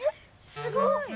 すごい！